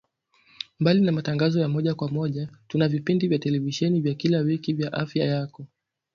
Mbali na matangazo ya moja kwa moja tuna vipindi vya televisheni vya kila wiki vya Afya Yako